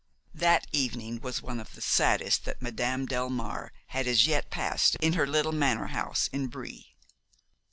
That evening was one of the saddest that Madame Delmare had yet passed in her little manor house in Brie.